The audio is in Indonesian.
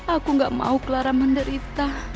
aku gak mau clara menderita